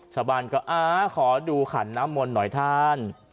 ชาวบ้านก็อ่าขอดูขันน้ำมนต์หน่อยท่าน